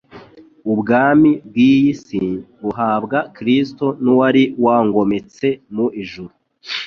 Ubwami bw'iyi si buhabwa Kristo n'uwari wangometse mu ijuru,